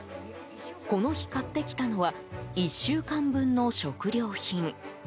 この日買ってきたのは１週間分の食料品。